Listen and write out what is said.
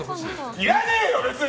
要らねぇよ、別に！